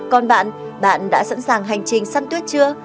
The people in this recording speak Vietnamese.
còn bạn bạn đã sẵn sàng hành trình săn tuyết chưa